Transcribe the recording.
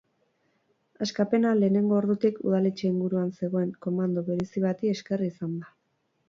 Askapena lehenengo ordutik udaletxe inguruan zegoen komando berezi bati esker izan da.